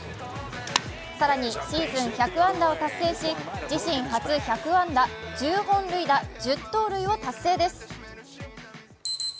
更にシーズン１００安打を達成し、自身初１００安打、１０本塁打、１０盗塁を達成です。